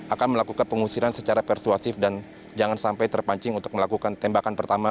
akan melakukan pengusiran secara persuasif dan jangan sampai terpancing untuk melakukan tembakan pertama